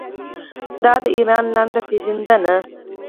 دا دی د ایران لنډه پیژندنه.